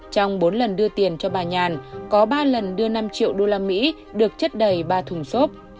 trong bốn lần đưa tiền cho bà nhàn có ba lần đưa năm triệu usd được chất đầy ba thùng xốp